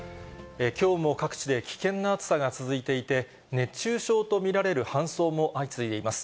きょうも各地で危険な暑さが続いていて、熱中症と見られる搬送も相次いでいます。